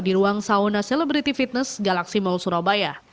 di ruang sauna celebrity fitness galaxy mall surabaya